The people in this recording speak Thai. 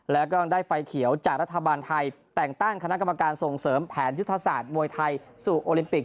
แล้วก็ได้ไฟเขียวจากรัฐบาลไทยแต่งตั้งคณะกรรมการส่งเสริมแผนยุทธศาสตร์มวยไทยสู่โอลิมปิก